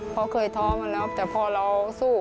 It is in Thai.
เขาเคยท้อมาแล้วแต่พอเราสู้